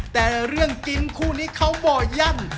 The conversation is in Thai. แต่เรื่องกินคู่นี้เขาบ่อยั่น